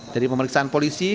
dari pemeriksaan polisi